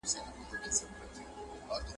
د نورو خلګو شتمني مه اخلئ.